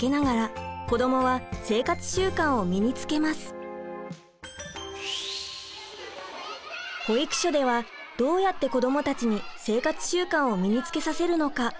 こうした保育所ではどうやって子どもたちに生活習慣を身につけさせるのか。